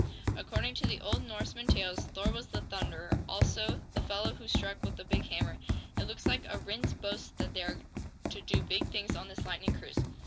According to the old Norsemen tales Thor was The Thunderer also the fellow who struck with the big hammer. It looks like a Rhinds boast that they are to do big things on this lightning cruise."